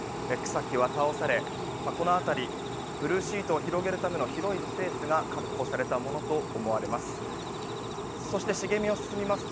草木は倒され、この辺りブルーシートを広げるための広いスペースが確保されたものと思われます。